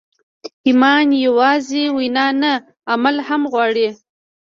ایمان یوازې وینا نه، عمل هم غواړي.